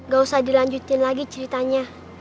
gak usah dilanjutin lagi ceritanya